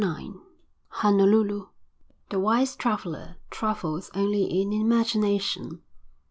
VI Honolulu The wise traveller travels only in imagination.